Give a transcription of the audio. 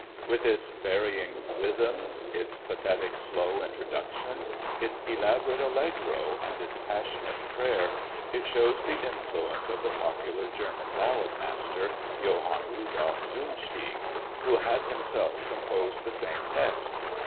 With its varying rhythms, its pathetic slow introduction, its elaborate Allegro and its passionate prayer, it shows the influence of the popular German ballad master, Johann Rudolph Zumsteeg, who had himself composed the same text.